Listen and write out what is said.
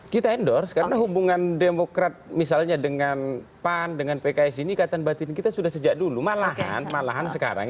kita endorse karena hubungan demokrat misalnya dengan pan dengan pks ini ikatan batin kita sudah sejak dulu malahan malahan sekarang